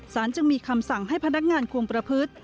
จึงมีคำสั่งให้พนักงานคุมประพฤติ